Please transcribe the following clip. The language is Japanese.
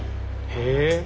へえ！